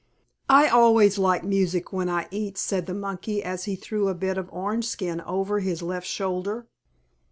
"I always like music when I eat," said the monkey as he threw a bit of orange skin over his left shoulder.